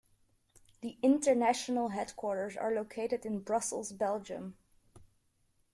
The international headquarters are located in Brussels, Belgium.